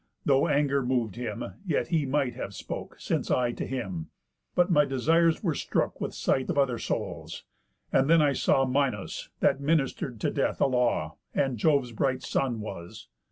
Though anger mov'd him, yet he might have spoke, Since I to him. But my desires were strook With sight of other souls. And then I saw Minos, that minister'd to Death a law, And Jove's bright son was.